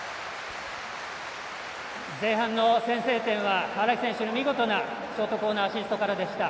前半の先制点は荒木選手の見事なショートコーナーアシストからでした。